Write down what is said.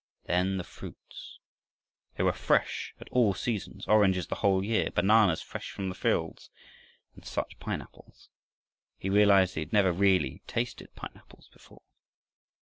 Then the fruits! They were fresh at all seasons oranges the whole year, bananas fresh from the fields and such pineapples! He realized that he had never really tasted pineapples before.